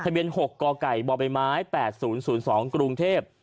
เบียน๖กกบไม้๘๐๐๒กรุงเทพฯ